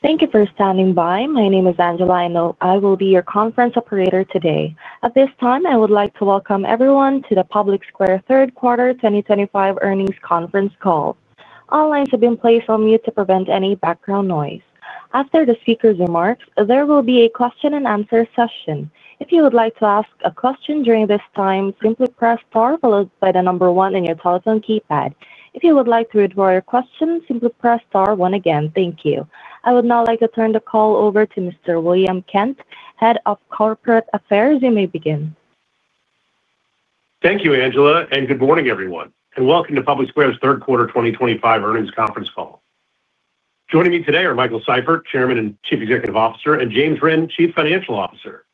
Thank you for standing by. My name is Angela. I will be your conference operator today. At this time, I would like to welcome everyone to the PublicSquare Third Quarter 2025 Earnings Conference Call. All lines have been placed on mute to prevent any background noise. After the speakers' remarks, there will be a question-and-answer session. If you would like to ask a question during this time, simply press star followed by the number one on your telephone keypad. If you would like to withdraw your question, simply press star one again. Thank you. I would now like to turn the call over to Mr. William Kent, Head of Corporate Affairs. You may begin. Thank you, Angela, and good morning, everyone, and welcome to PublicSquare's Third Quarter 2025 Earnings Conference Call. Joining me today are Michael Seifert, Chairman and Chief Executive Officer, and James Rinn, Chief Financial Officer.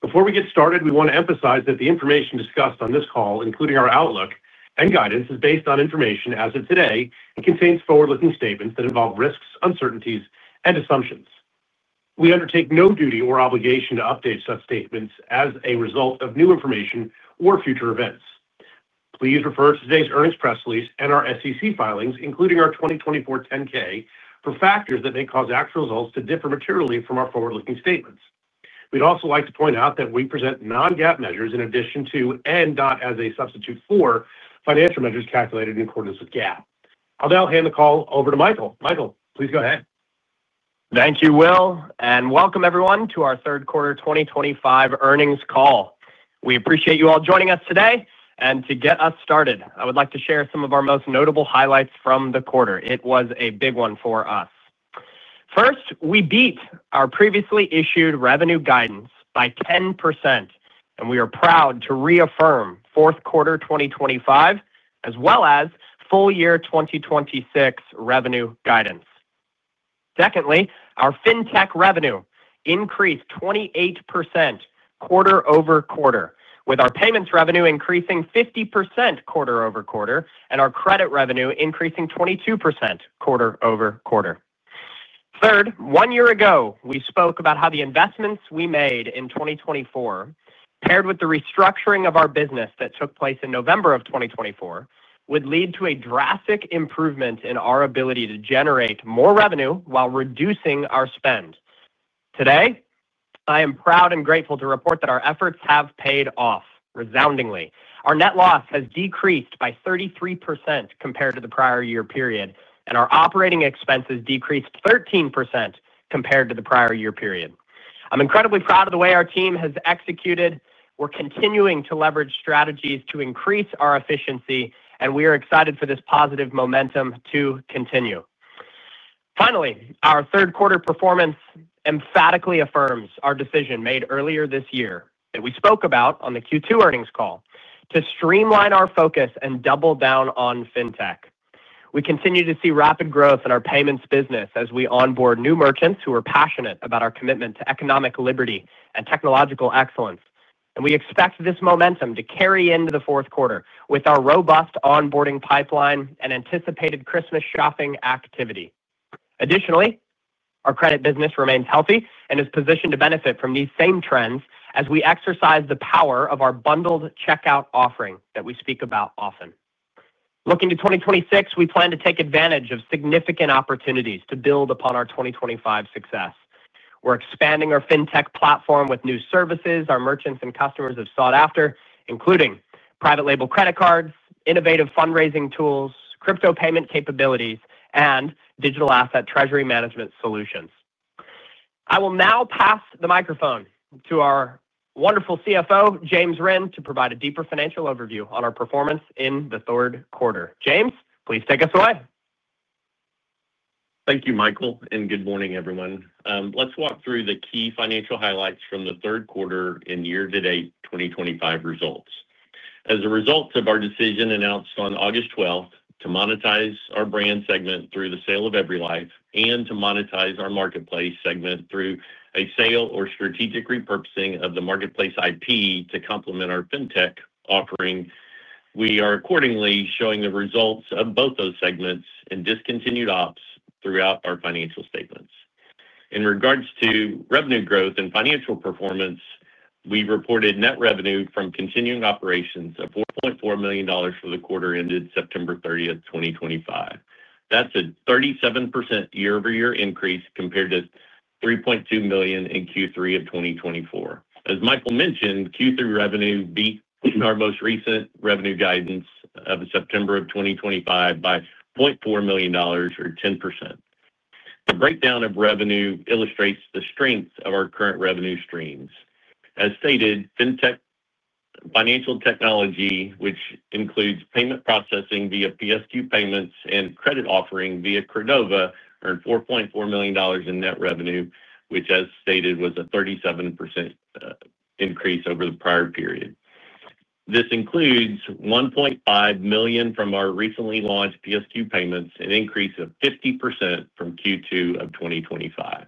Before we get started, we want to emphasize that the information discussed on this call, including our outlook and guidance, is based on information as of today and contains forward-looking statements that involve risks, uncertainties, and assumptions. We undertake no duty or obligation to update such statements as a result of new information or future events. Please refer to today's earnings press release and our SEC filings, including our 2024 10-K, for factors that may cause actual results to differ materially from our forward-looking statements. We'd also like to point out that we present non-GAAP measures in addition to and not as a substitute for financial measures calculated in accordance with GAAP. I'll now hand the call over to Michael. Michael, please go ahead. Thank you will, and welcome everyone to our Third Quarter 2025 Earnings Call. We appreciate you all joining us today. And to get us started, I would like to share some of our most notable highlights from the quarter. It was a big one for us. First, we beat our previously issued revenue guidance by 10%, and we are proud to reaffirm 4th Quarter 2025 as well as Full Year 2026 revenue guidance. Secondly, our FinTech revenue increased 28% quarter-over-quarter, with our payments revenue increasing 50% quarter-over-quarter and our credit revenue increasing 22% quarter-over-quarter. Third, one year ago, we spoke about how the investments we made in 2024, paired with the restructuring of our business that took place in November of 2024, would lead to a drastic improvement in our ability to generate more revenue while reducing our spend. Today, I am proud and grateful to report that our efforts have paid off resoundingly. Our net loss has decreased by 33% compared to the prior year period, and our operating expenses decreased 13% compared to the prior year period. I'm incredibly proud of the way our team has executed. We're continuing to leverage strategies to increase our efficiency, and we are excited for this positive momentum to continue. Finally, our 3rd quarter performance emphatically affirms our decision made earlier this year that we spoke about on the Q2 Earnings Call to streamline our focus and double down on FinTech. We continue to see rapid growth in our payments business as we onboard new merchants who are passionate about our commitment to economic liberty and technological excellence, and we expect this momentum to carry into the 4th quarter with our robust onboarding pipeline and anticipated Christmas shopping activity. Additionally, our credit business remains healthy and is positioned to benefit from these same trends as we exercise the power of our bundled checkout offering that we speak about often. Looking to 2026, we plan to take advantage of significant opportunities to build upon our 2025 success. We're expanding our FinTech platform with new services our merchants and customers have sought after, including Private Label Credit Cards, Innovative Fundraising Tools, Crypto Payment Capabilities, and Digital Asset Treasury Management Solutions. I will now pass the microphone to our wonderful CFO, James Rinn, to provide a deeper financial overview on our performance in the 3rd quarter. James, please take us away. Thank you, Michael, and good morning, everyone. Let's walk through the key financial highlights from the 3rd quarter and year-to-date 2025 results. As a result of our decision announced on August 12th to monetize our brand segment through the sale of EveryLife and to monetize our marketplace segment through a sale or strategic repurposing of the Marketplace IP to complement our FinTech offering, we are accordingly showing the results of both those segments and discontinued ops throughout our financial statements. In regards to revenue growth and financial performance, we reported net revenue from continuing operations of $4.4 million for the quarter ended September 30th, 2025. That's a 37% year-over-year increase compared to $3.2 million in Q3 of 2024. As Michael mentioned, Q3 revenue beat our most recent revenue guidance of September of 2025 by $0.4 million, or 10%. The breakdown of revenue illustrates the strength of our current revenue streams. As stated, FinTech financial technology, which includes payment processing via PSQ Payments and credit offering via Credova, earned $4.4 million in net revenue, which, as stated, was a 37% increase over the prior period. This includes $1.5 million from our recently launched PSQ Payments, an increase of 50% from Q2 of 2025.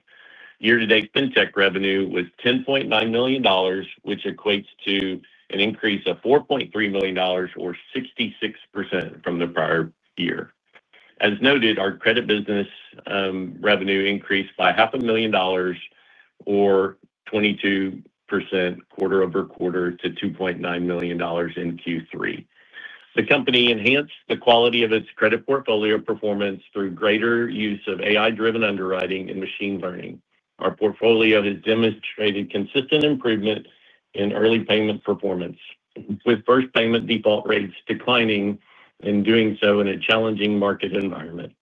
Year-to-date FinTech revenue was $10.9 million, which equates to an increase of $4.3 million, or 66% from the prior year. As noted, our credit business revenue increased by $500,000, or 22% quarter-over-quarter, to $2.9 million in Q3. The company enhanced the quality of its credit portfolio performance through greater use of AI-driven underwriting and machine learning. Our portfolio has demonstrated consistent improvement in early payment performance, with first payment default rates declining and doing so in a challenging market environment.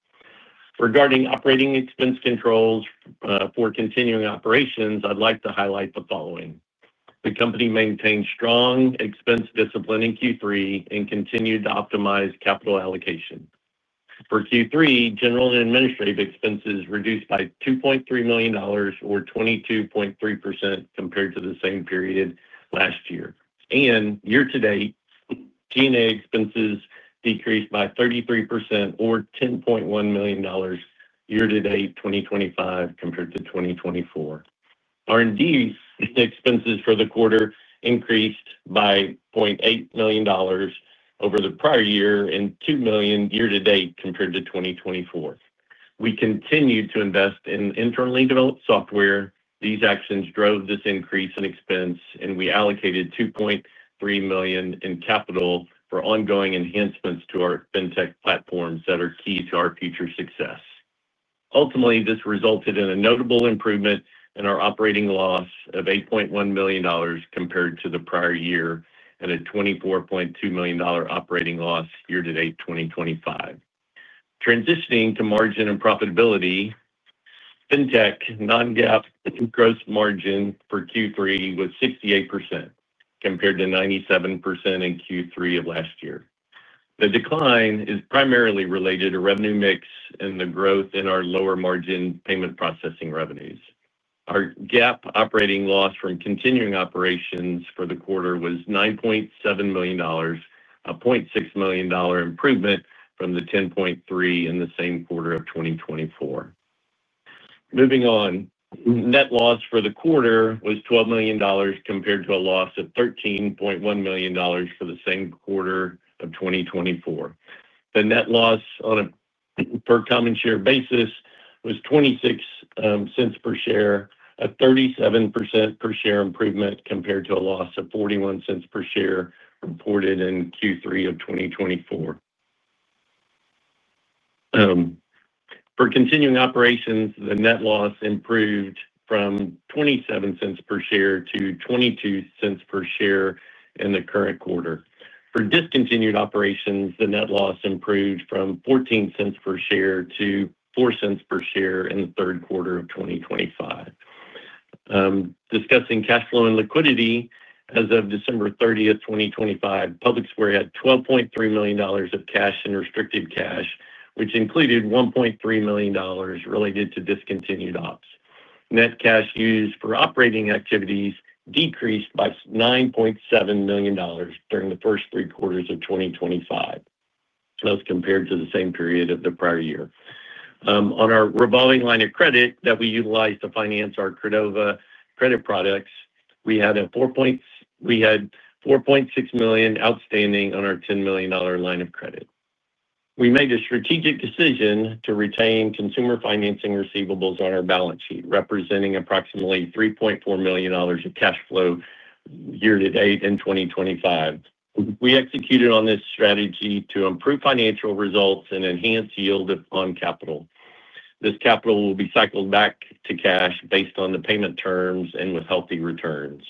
Regarding operating expense controls for continuing operations, I'd like to highlight the following. The company maintained strong expense discipline in Q3 and continued to optimize capital allocation. For Q3, general and administrative expenses reduced by $2.3 million, or 22.3% compared to the same period last year. And year-to-date, G&A expenses decreased by 33%, or $10.1 million. Year-to-date 2025 compared to 2024. R&D expenses for the quarter increased by $0.8 million. Over the prior year and $2 million year-to-date compared to 2024. We continued to invest in internally developed software. These actions drove this increase in expense, and we allocated $2.3 million in capital for ongoing enhancements to our FinTech platforms that are key to our future success. Ultimately, this resulted in a notable improvement in our operating loss of $8.1 million compared to the prior year and a $24.2 million operating loss year-to-date 2025. Transitioning to margin and profitability. FinTech non-GAAP gross margin for Q3 was 68% compared to 97% in Q3 of last year. The decline is primarily related to revenue mix and the growth in our lower margin payment processing revenues. Our GAAP operating loss from continuing operations for the quarter was $9.7 million, a $0.6 million improvement from the $10.3 million in the same quarter of 2024. Moving on. Net loss for the quarter was $12 million compared to a loss of $13.1 million for the same quarter of 2024. The net loss on a per common share basis was $0.26 per share, a 37% per share improvement compared to a loss of $0.41 per share reported in Q3 of 2024. For continuing operations, the net loss improved from $0.27 per share to $0.22 per share in the current quarter. For discontinued operations, the net loss improved from $0.14 per share to $0.04 per share in the 3rd quarter of 2025. Discussing cash flow and liquidity, as of December 30th, 2025, PublicSquare had $12.3 million of cash and restricted cash, which included $1.3 million related to discontinued ops. Net cash used for operating activities decreased by $9.7 million during the 1st three quarters of 2025. That's compared to the same period of the prior year. On our revolving line of credit that we utilized to finance our Credova credit products, we had a $4.6 million outstanding on our $10 million line of credit. We made a strategic decision to retain consumer financing receivables on our balance sheet, representing approximately $3.4 million of cash flow year-to-date in 2025. We executed on this strategy to improve financial results and enhance yield upon capital. This capital will be cycled back to cash based on the payment terms and with healthy returns.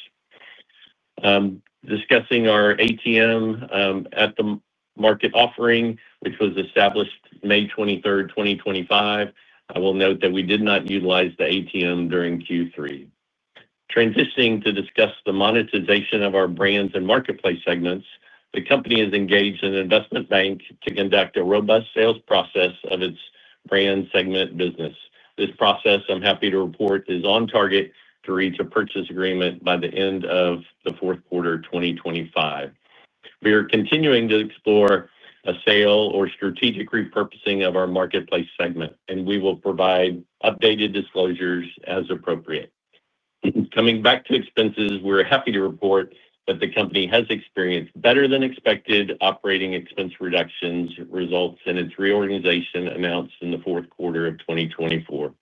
Discussing our ATM at the market offering, which was established May 23rd, 2025, I will note that we did not utilize the ATM during Q3. Transitioning to discuss the monetization of our brands and marketplace segments, the company has engaged an investment bank to conduct a robust sales process of its brand segment business. This process, I'm happy to report, is on target to reach a purchase agreement by the end of the 4th quarter of 2025. We are continuing to explore a sale or strategic repurposing of our marketplace segment, and we will provide updated disclosures as appropriate. Coming back to expenses, we're happy to report that the company has experienced better-than-expected operating expense reductions results in its reorganization announced in the 4th quarter of 2024.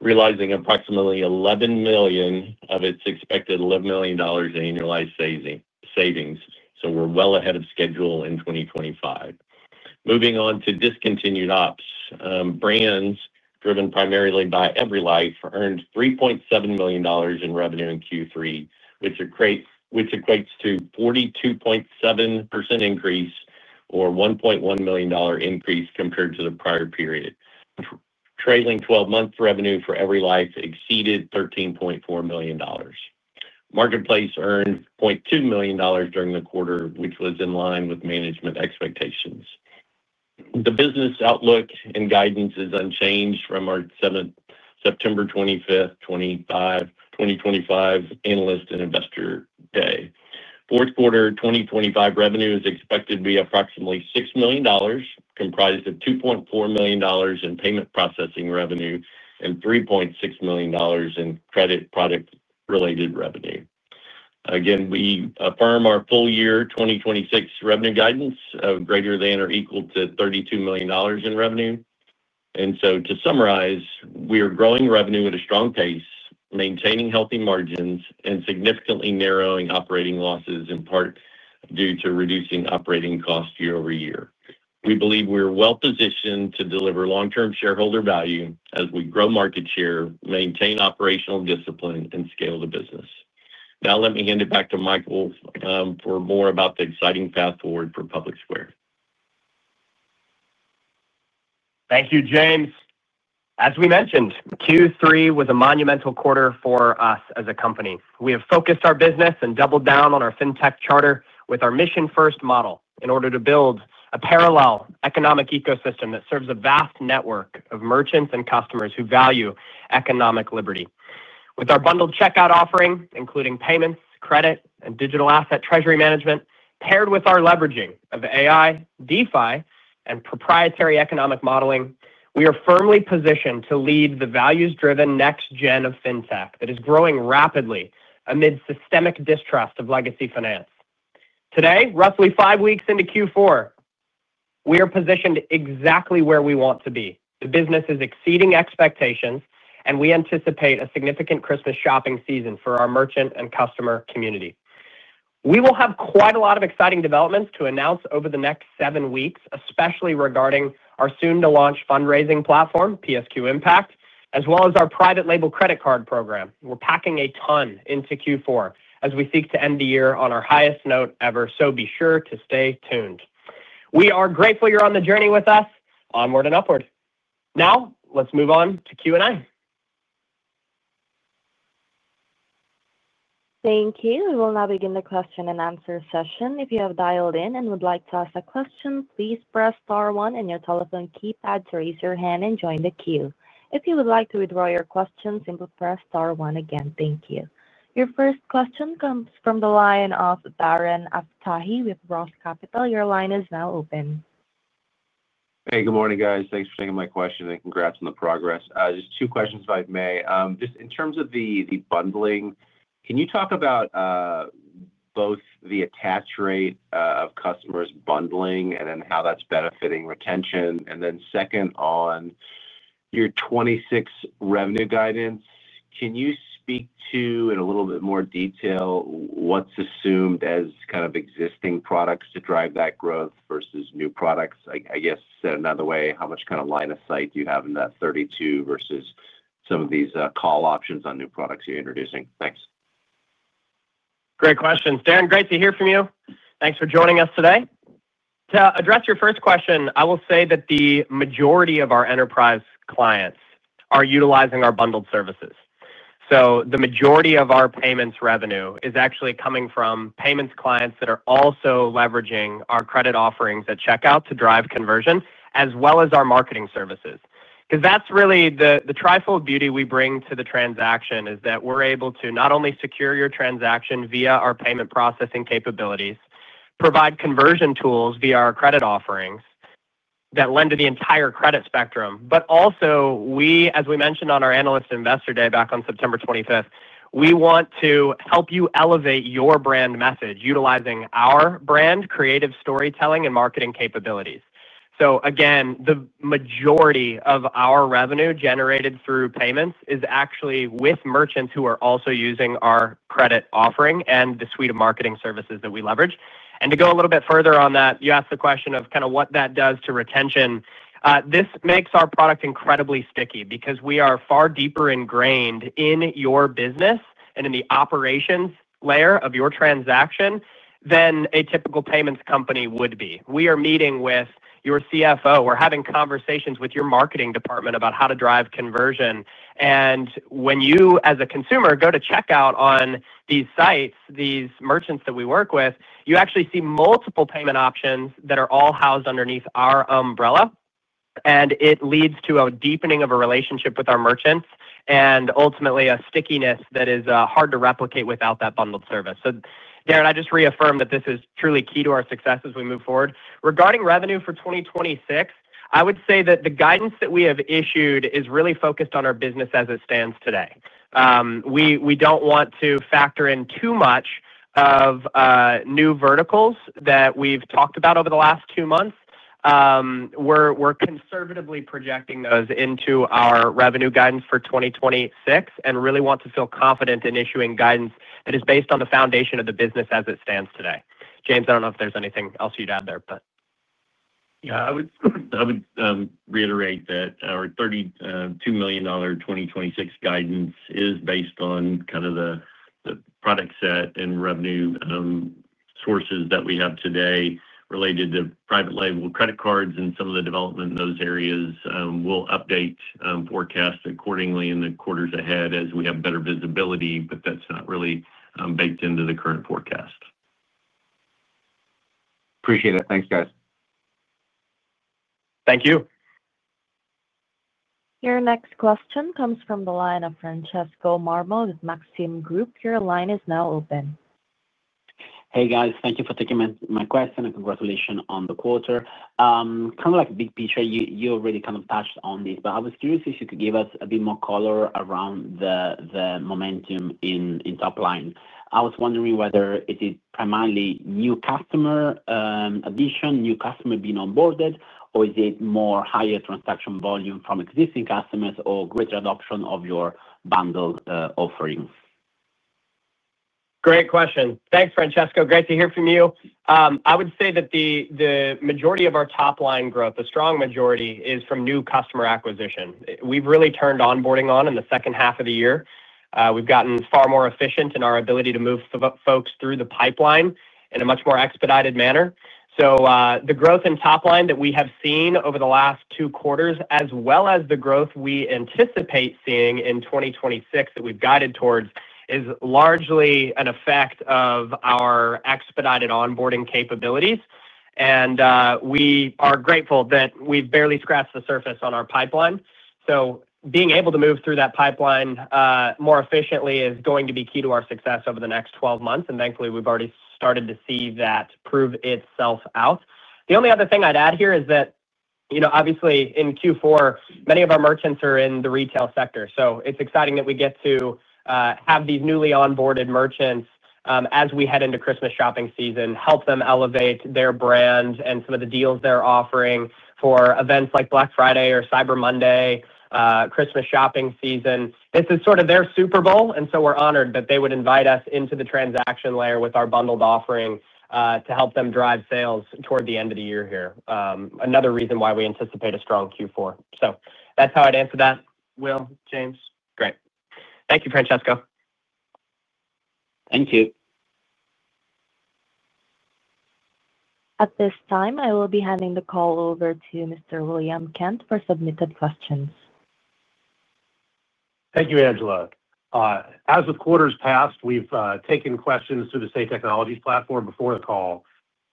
Realizing approximately $11 million of its expected $11 million in annualized savings, so we're well ahead of schedule in 2025. Moving on to discontinued ops, brands driven primarily by EveryLife earned $3.7 million in revenue in Q3, which. Equates to a 42.7% increase or $1.1 million increase compared to the prior period. Trailing 12-month revenue for EveryLife exceeded $13.4 million. Marketplace earned $0.2 million during the quarter, which was in line with management expectations. The business outlook and guidance is unchanged from our September 25th, 2025, analyst and investor day. 4th quarter 2025 revenue is expected to be approximately $6 million, comprised of $2.4 million in payment processing revenue and $3.6 million in credit product-related revenue. Again, we affirm our full year 2026 revenue guidance of greater than or equal to $32 million in revenue. And so to summarize, we are growing revenue at a strong pace, maintaining healthy margins, and significantly narrowing operating losses, in part due to reducing operating costs year over year. We believe we are well-positioned to deliver long-term shareholder value as we grow market share, maintain operational discipline, and scale the business. Now, let me hand it back to Michael for more about the exciting path forward for PublicSquare. Thank you, James. As we mentioned, Q3 was a monumental quarter for us as a company. We have focused our business and doubled down on our FinTech charter with our mission-first model in order to build a parallel economic ecosystem that serves a vast network of merchants and customers who value economic liberty. With our bundled checkout offering, including payments, credit, and digital asset treasury management, paired with our leveraging of AI, DeFi, and Proprietary Economic Modeling, we are firmly positioned to lead the values-driven next-gen of FinTech that is growing rapidly amid systemic distrust of legacy finance. Today, roughly five weeks into Q4. We are positioned exactly where we want to be. The business is exceeding expectations, and we anticipate a significant Christmas shopping season for our merchant and customer community. We will have quite a lot of exciting developments to announce over the next seven weeks, especially regarding our soon-to-launch fundraising platform, PSQ Impact, as well as our private label credit card program. We're packing a ton into Q4 as we seek to end the year on our highest note ever, so be sure to stay tuned. We are grateful you're on the journey with us onward and upward. Now, let's move on to Q&A. Thank you. We will now begin the question and answer session. If you have dialed in and would like to ask a question, please press star one in your telephone keypad to raise your hand and join the queue. If you would like to withdraw your question, simply press star one again. Thank you. Your first question comes from the line of Darren Aftahi with ROTH Capital. Your line is now open. Hey, good morning, guys. Thanks for taking my question and congrats on the progress. Just two questions, if I may. Just in terms of the bundling, can you talk about. Both the attach rate of customers bundling and then how that's benefiting retention? And then second on. Your 2026 revenue guidance, can you speak to, in a little bit more detail, what's assumed as kind of existing products to drive that growth versus new products? I guess said another way, how much kind of line of sight do you have in that 32 versus some of these call options on new products you're introducing? Thanks. Great question, Darren. Great to hear from you. Thanks for joining us today. To address your first question, I will say that the majority of our enterprise clients are utilizing our bundled services. So the majority of our payments revenue is actually coming from payments clients that are also leveraging our credit offerings at checkout to drive conversion, as well as our Marketing Services. Because that's really the trifold beauty we bring to the transaction is that we're able to not only secure your transaction via our payment processing capabilities, provide conversion tools via our credit offerings that lend to the entire credit spectrum, but also, as we mentioned on our Analyst Investor Day back on September 25th, we want to help you elevate your brand message utilizing our Brand Creative Storytelling and marketing capabilities. So again, the majority of our revenue generated through payments is actually with merchants who are also using our credit offering and the suite of Marketing Services that we leverage. And to go a little bit further on that, you asked the question of kind of what that does to retention. This makes our product incredibly sticky because we are far deeper ingrained in your business and in the operations layer of your transaction than a typical payments company would be. We are meeting with your CFO. We're having conversations with your marketing department about how to drive conversion. And when you, as a consumer, go to checkout on these sites, these merchants that we work with, you actually see multiple payment options that are all housed underneath our umbrella. And it leads to a deepening of a relationship with our merchants and ultimately a stickiness that is hard to replicate without that bundled service. So Darren, I just reaffirm that this is truly key to our success as we move forward. Regarding revenue for 2026, I would say that the guidance that we have issued is really focused on our business as it stands today. We don't want to factor in too much of. New verticals that we've talked about over the last two months. We're conservatively projecting those into our revenue guidance for 2026 and really want to feel confident in issuing guidance that is based on the foundation of the business as it stands today. James, I don't know if there's anything else you'd add there, but. Yeah, I would. Reiterate that our $32 million 2026 guidance is based on kind of the product set and revenue. Sources that we have today related to Private Label Credit Cards and some of the development in those areas. We'll update forecasts accordingly in the quarters ahead as we have better visibility, but that's not really baked into the current forecast. Appreciate it. Thanks, guys. Thank you. Your next question comes from the line of Francesco Marmo with Maxim Group. Your line is now open. Hey, guys. Thank you for taking my question and congratulations on the quarter. Kind of like a big picture, you already kind of touched on this, but I was curious if you could give us a bit more color around the. Momentum in top line. I was wondering whether it is primarily new customer. Addition, new customer being onboarded, or is it more higher transaction volume from existing customers or greater adoption of your bundled offerings? Great question. Thanks, Francesco. Great to hear from you. I would say that the majority of our top line growth, the strong majority, is from new customer acquisition. We've really turned onboarding on in the 2nd half of the year. We've gotten far more efficient in our ability to move folks through the pipeline in a much more expedited manner. So the growth in top line that we have seen over the last two quarters, as well as the growth we anticipate seeing in 2026 that we've guided towards, is largely an effect of our expedited onboarding capabilities. And we are grateful that we've barely scratched the surface on our pipeline. So being able to move through that pipeline more efficiently is going to be key to our success over the next 12 months. And thankfully, we've already started to see that prove itself out. The only other thing I'd add here is that. Obviously, in Q4, many of our merchants are in the retail sector. So it's exciting that we get to. Have these newly onboarded merchants as we head into Christmas shopping season, help them elevate their brand and some of the deals they're offering for events like Black Friday or Cyber Monday, Christmas shopping season. This is sort of their Super Bowl, and so we're honored that they would invite us into the transaction layer with our bundled offering to help them drive sales toward the end of the year here. Another reason why we anticipate a strong Q4. So that's how I'd answer that. Will, James. Great. Thank you, Francesco. Thank you. At this time, I will be handing the call over to Mr. William Kent for submitted questions. Thank you, Angela. As the quarter has passed, we've taken questions through the Say Technologies platform before the call.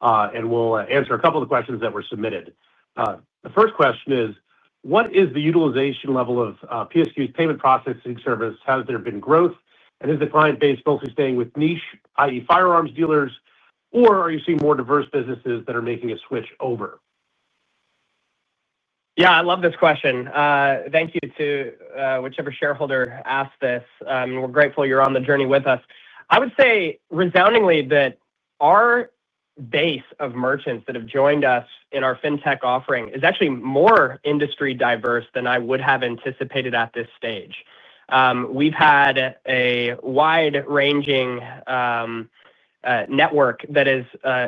And we'll answer a couple of the questions that were submitted. The first question is, what is the utilization level of PSQ's Payment Processing Service? Has there been growth? And is the client base mostly staying with niche, i.e., firearms dealers, or are you seeing more diverse businesses that are making a switch over? Yeah, I love this question. Thank you to whichever shareholder asked this. And we're grateful you're on the journey with us. I would say resoundingly that our base of merchants that have joined us in our FinTech offering is actually more industry diverse than I would have anticipated at this stage. We've had a wide-ranging. Network that has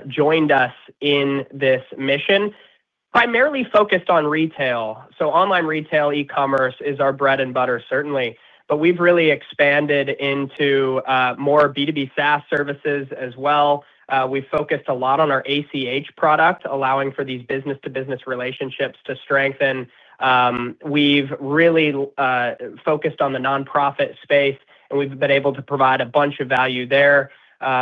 joined us in this mission, primarily focused on retail. So online retail, e-commerce is our bread and butter, certainly. But we've really expanded into. More B2B SaaS services as well. We focused a lot on our ACH product, allowing for these business-to-business relationships to strengthen. We've really. Focused on the nonprofit space, and we've been able to provide a bunch of value there.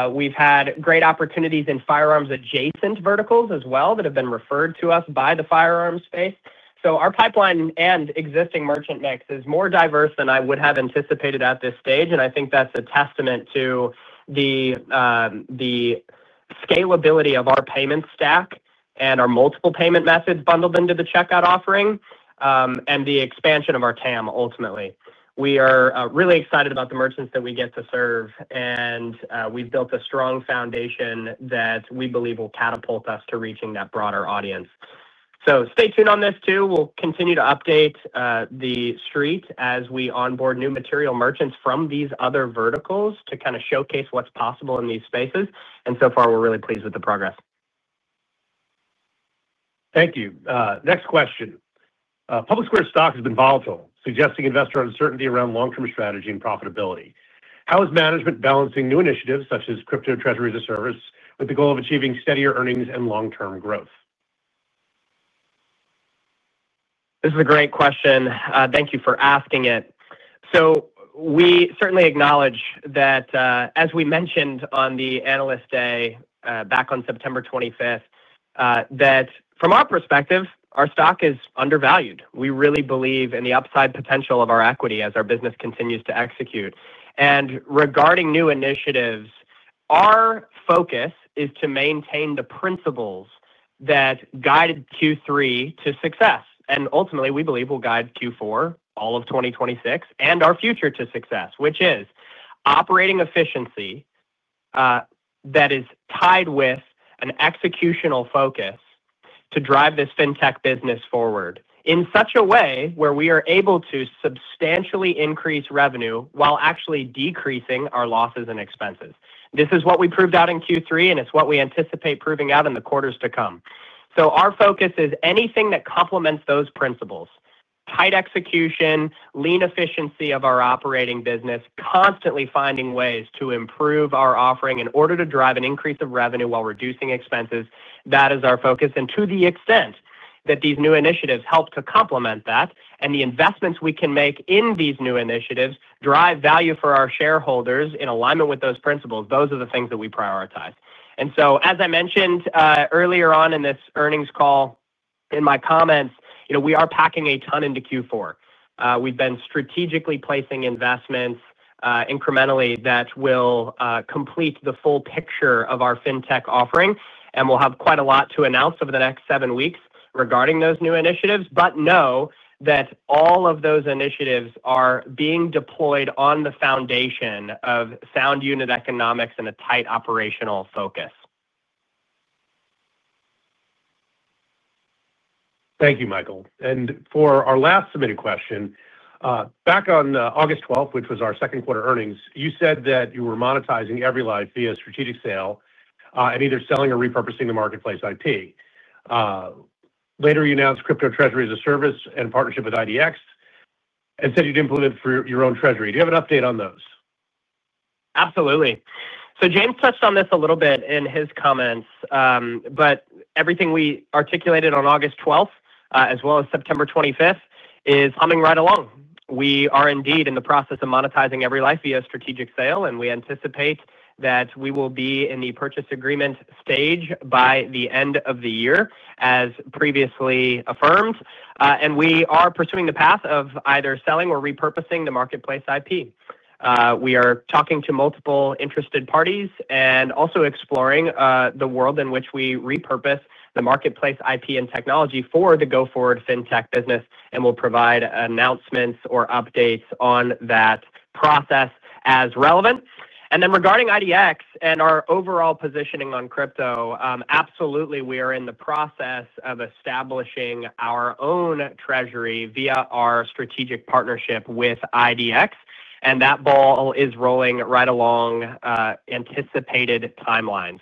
We've had great opportunities in firearms-adjacent verticals as well that have been referred to us by the firearms space. So our pipeline and existing merchant mix is more diverse than I would have anticipated at this stage. And I think that's a testament to the. Scalability of our payment stack and our multiple payment methods bundled into the checkout offering and the expansion of our TAM, ultimately. We are really excited about the merchants that we get to serve. And we've built a strong foundation that we believe will catapult us to reaching that broader audience. So stay tuned on this too. We'll continue to update the street as we onboard new material merchants from these other verticals to kind of showcase what's possible in these spaces. And so far, we're really pleased with the progress. Thank you. Next question. PublicSquare's stock has been volatile, suggesting investor uncertainty around long-term strategy and profitability. How is management balancing new initiatives such as Crypto Treasuries of Service with the goal of achieving steadier earnings and long-term growth? This is a great question. Thank you for asking it. So we certainly acknowledge that, as we mentioned on the Analyst Day back on September 25th. From our perspective, our stock is undervalued. We really believe in the upside potential of our equity as our business continues to execute. And regarding new initiatives, our focus is to maintain the principles that guided Q3 to success. And ultimately, we believe will guide Q4, all of 2026, and our future to success, which is operating efficiency. That is tied with an executional focus to drive this FinTech business forward in such a way where we are able to substantially increase revenue while actually decreasing our losses and expenses. This is what we proved out in Q3, and it's what we anticipate proving out in the quarters to come. So our focus is anything that complements those principles: Tight Execution, Lean Efficiency of our operating business, Constantly Finding Ways to improve our offering in order to drive an increase of revenue while reducing expenses. That is our focus. And to the extent that these new initiatives help to complement that and the investments we can make in these new initiatives drive value for our shareholders in alignment with those principles, those are the things that we prioritize. And so, as I mentioned earlier on in this earnings call, in my comments, we are packing a ton into Q4. We've been strategically placing investments incrementally that will complete the full picture of our FinTech offering. And we'll have quite a lot to announce over the next seven weeks regarding those new initiatives. But know that all of those initiatives are being deployed on the foundation of sound unit economics and a tight operational focus. Thank you, Michael. And for our last submitted question. Back on August 12th, which was our 2nd quarter earnings, you said that you were monetizing EveryLive via strategic sale and either selling or repurposing the Marketplace IP. Later, you announced Crypto Treasuries of Service and partnership with IDX. And said you'd implement it for your own treasury. Do you have an update on those? Absolutely. So James touched on this a little bit in his comments, but everything we articulated on August 12th, as well as September 25th, is humming right along. We are indeed in the process of monetizing EveryLive via strategic sale, and we anticipate that we will be in the purchase agreement stage by the end of the year, as previously affirmed. And we are pursuing the path of either selling or repurposing the Marketplace IP. We are talking to multiple interested parties and also exploring the world in which we repurpose the Marketplace IP and technology for the go-forward FinTech business and will provide announcements or updates on that process as relevant. And then regarding IDX and our overall positioning on crypto, absolutely, we are in the process of establishing our own treasury via our strategic partnership with IDX. And that ball is rolling right along. Anticipated timelines.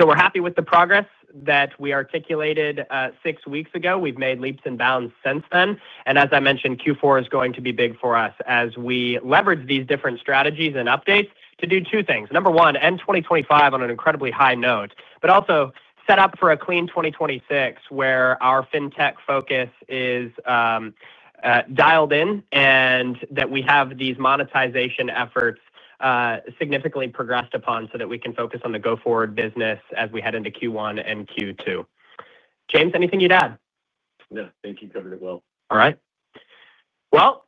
So we're happy with the progress that we articulated six weeks ago. We've made leaps and bounds since then. And as I mentioned, Q4 is going to be big for us as we leverage these different strategies and updates to do two things. Number one, end 2025 on an incredibly high note, but also set up for a clean 2026 where our FinTech focus is. Dialed in and that we have these monetization efforts significantly progressed upon so that we can focus on the go-forward business as we head into Q1 and Q2. James, anything you'd add? No, thank you. You covered it well. All right. Well.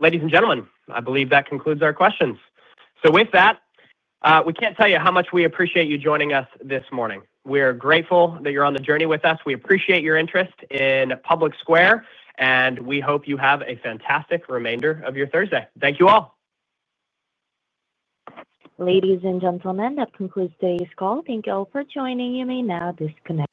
Ladies and gentlemen, I believe that concludes our questions. So with that. We can't tell you how much we appreciate you joining us this morning. We are grateful that you're on the journey with us. We appreciate your interest in PublicSquare, and we hope you have a fantastic remainder of your Thursday. Thank you all. Ladies and gentlemen, that concludes today's call. Thank you all for joining. You may now disconnect.